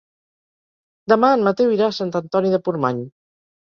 Demà en Mateu irà a Sant Antoni de Portmany.